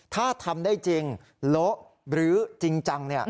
ถ้าทำได้จริงโละหรือจริงจัง